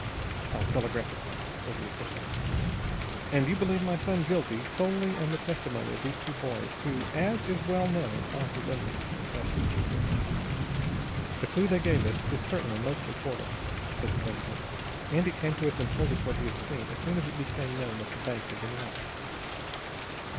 "I'll telegraph at once," said the official. "And you believe my son guilty, solely on the testimony of these two boys, who, as is well known, are his enemies?" asked Mr. Swift. "The clue they gave us is certainly most important," said the president. "Andy came to us and told what he had seen, as soon as it became known that the bank had been robbed."